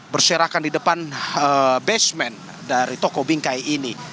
berserakan di depan basement dari toko bingkai ini